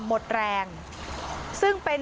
หมดแรงซึ่งเป็น